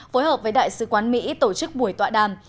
phối hợp với đại sứ quán mỹ tổ chức buổi tọa đàm